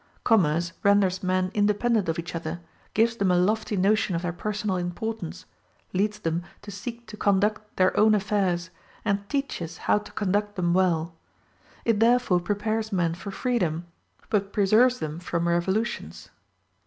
Commerce renders men independent of each other, gives them a lofty notion of their personal importance, leads them to seek to conduct their own affairs, and teaches how to conduct them well; it therefore prepares men for freedom, but preserves them from revolutions.